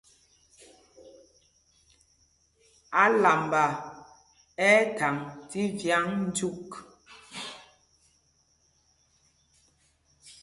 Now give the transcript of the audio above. Álamba ɛ́ ɛ́ thaŋ tí vyǎŋ dyûk.